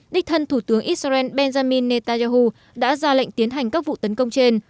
đích thân thủ tướng israel benjamin netanyahu đã ra lệnh tiến hành các vụ tấn công trên